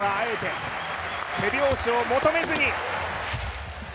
ここではあえて手拍子を求めずに。